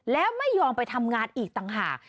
แล้วไม่ยอมไปทำงานอีกต่างหาก